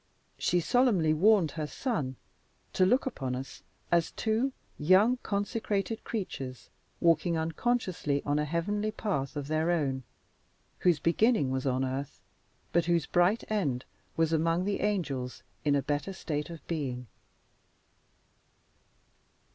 She solemnly warned her son to look upon us as two young consecrated creatures, walking unconsciously on a heavenly path of their own, whose beginning was on earth, but whose bright end was among the angels in a better state of being.